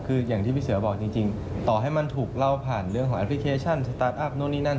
คืออย่างที่พี่เสือบอกจริงต่อให้มันถูกเล่าผ่านเรื่องของแอปพลิเคชันสตาร์ทอัพนู่นนี่นั่น